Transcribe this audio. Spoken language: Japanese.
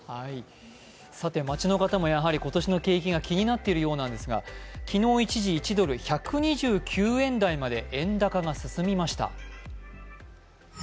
街の方も今年の景気が気になっているようなんですが、昨日一時、１ドル＝１２９円台まで円高が進みました。